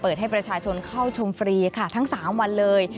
ให้ประชาชนเข้าชมฟรีค่ะทั้ง๓วันเลย